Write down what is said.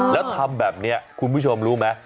แล้วทำแบบนี้คุณผู้ชมรู้ไหม